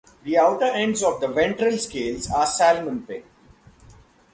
The outer ends of the ventral scales are salmon-pink.